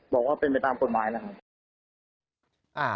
บอกว่าเป็นไปตามกฎหมายนะครับ